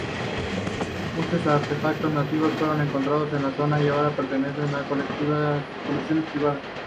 Muchos artefactos nativos fueron encontrados en la zona y ahora pertenecen a colecciones privadas.